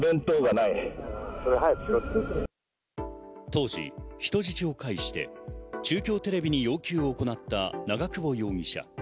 当時、人質を介して中京テレビに要求を行った長久保容疑者。